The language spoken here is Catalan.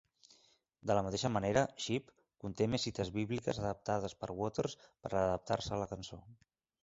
De la mateixa manera, "Sheep", conté més cites bíbliques adaptades per Waters per adaptar-se a la cançó.